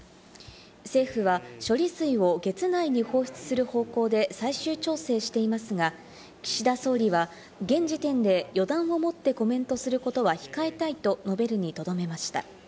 政府は処理水を月内に放出する方向で最終調整していますが、岸田総理は現時点で予断をもってコメントすることは控えたいと述べるにとどめました。